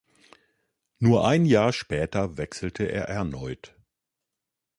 Nur ein Jahr später wechselte er erneut.